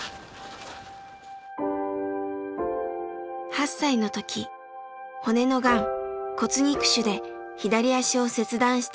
８歳の時骨のガン骨肉腫で左足を切断した桑村さん。